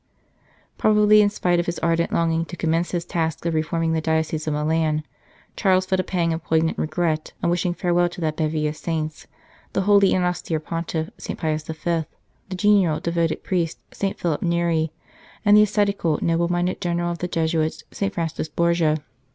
Probably, in spite of his ardent longing to commence his task of reforming the Diocese of Milan, Charles felt a pang of poignant regret on wishing farewell to that bevy of saints, the holy and austere Pontiff, 49 E St. Charles Borromeo St. Pius V. ; the genial, devoted priest, St. Philip Neri ; and the ascetical, noble minded General of the Jesuits, St. Francis Borgia.